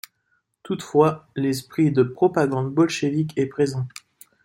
Toutefois, l'esprit de propagande bolchevique est présent.